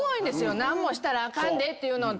何もしたらあかんでっていうのとか。